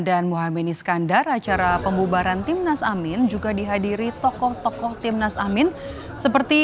dan muhammad iskandar acara pembubaran timnas amin juga dihadiri tokoh tokoh timnas amin seperti